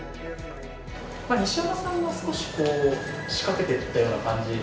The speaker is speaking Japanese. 西山さんが少しこう仕掛けてったような感じですかね。